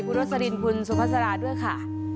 โรสลินคุณสุภาษาราด้วยค่ะ